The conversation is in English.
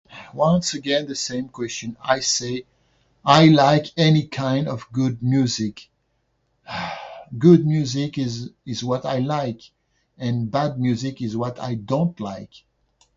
"Once again, the same question! I say, ""I like any kind of good music!"" Ugh. Good music is is what I like. And bad music is what I don't like."